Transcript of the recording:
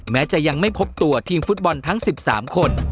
แม้จะยังไม่พบตัวทีมฟุตบอลทั้ง๑๓คน